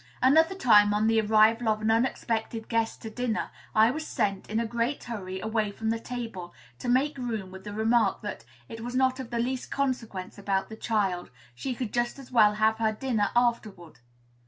Another time, on the arrival of an unexpected guest to dinner, I was sent, in a great hurry, away from the table, to make room, with the remark that "it was not of the least consequence about the child; she could just as well have her dinner afterward."